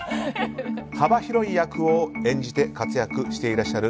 幅広い役を演じて活躍していらっしゃる